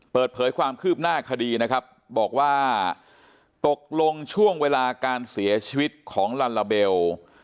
เปิดเผยความคืบหน้าคดีนะครับบอกว่าตกลงช่วงเวลาการเสียชีวิตของลัลลาเบล